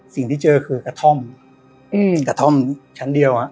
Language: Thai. สิ่งที่เจอคือกระท่อมเป็นกระท่อมชั้นเดียว